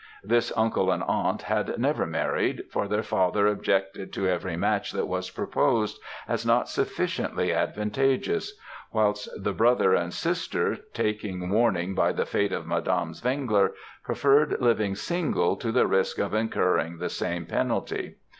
This uncle and aunt had never married, for their father objected to every match that was proposed, as not sufficiently advantageous; whilst the brother and sister, taking warning by the fate of Madame Zwengler, preferred living single to the risk of incurring the same penalty.